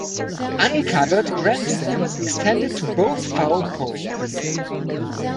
Uncovered grandstands extended to both foul poles.